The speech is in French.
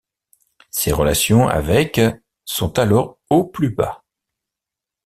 Ses relations avec sont alors au plus bas.